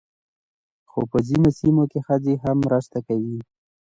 خو په ځینو سیمو کې ښځې هم مرسته کوي.